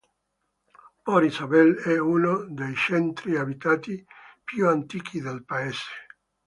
Port Isabel è uno dei centri abitati più antichi del paese.